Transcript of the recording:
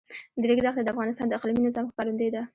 د ریګ دښتې د افغانستان د اقلیمي نظام ښکارندوی ده.